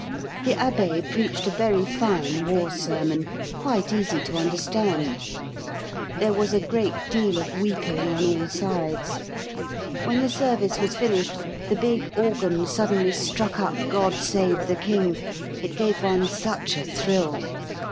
The Abbé preached a very fine war sermon, quite easy to understand. There was a great deal of weeping on all sides. When the service was finished the big organ suddenly struck up "God Save the King"; it gave one such a thrill.